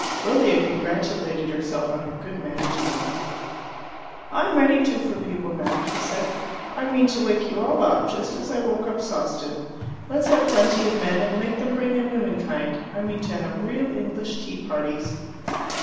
Lilia congratulated herself on her good management. "I'm ready, too, for people now," she said. "I mean to wake you all up, just as I woke up Sawston. Let's have plenty of men and make them bring their womenkind. I mean to have real English tea parties."